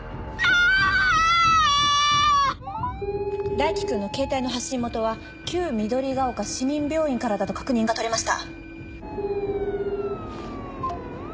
大樹君のケータイの発信元は旧緑ヶ丘市民病院からだと確認が取れました。